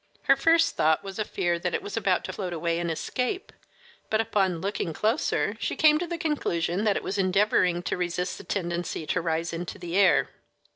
Her first thought was a fear that it was about to float away and escape, but upon looking closer she came to the conclusion that it was endeavoring to resist the tendency to rise into the air.